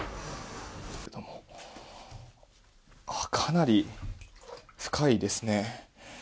かなり深いですね。